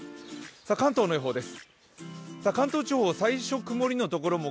関東の予報です。